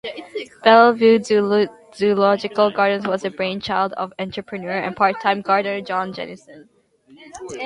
Belle Vue Zoological Gardens was the brainchild of entrepreneur and part-time gardener John Jennison.